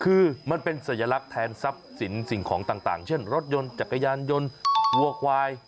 คือมันเป็นสัญลักษณ์แทนทรัพย์สินสิ่งของต่างเช่นรถยนต์จักรยานยนต์วัวควาย